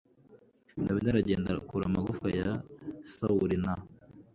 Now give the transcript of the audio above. Dawidi aragenda akura amagufwa ya Sawuli na